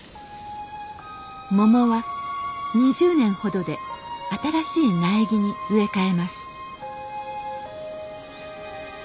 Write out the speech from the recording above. モモは２０年ほどで新しい苗木に植え替えます。